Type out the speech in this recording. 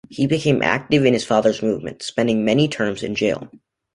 He became active in his father's movement, spending many terms in jail.